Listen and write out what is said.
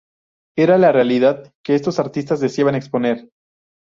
Era la realidad que estos artistas deseaban exponer.